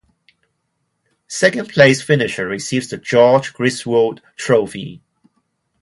Second place finisher receives the "George Griswold Trophy".